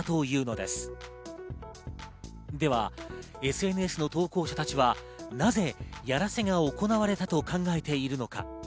ではＳＮＳの投稿者たちはなぜ、やらせが行われたと考えているのか。